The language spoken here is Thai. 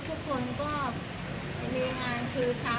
ทุกคนใข้เรียงงานคือเช้า